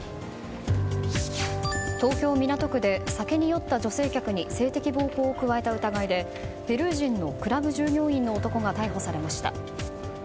東京・港区で酒に酔った女性客に性的暴行を加えた疑いでペルー人のクラブ従業員の男が逮捕されました。